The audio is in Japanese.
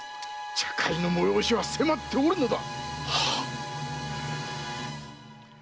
茶会の催しは迫っておるのだ！